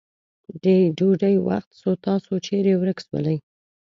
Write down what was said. د ډوډی وخت سو تاسو چیري ورک سولې.